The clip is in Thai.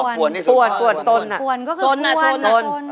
ปวนที่สุดน่ะปวน